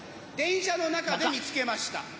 電車の中で見つけました。